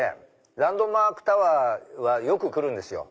ランドマークタワーはよく来るんですよ。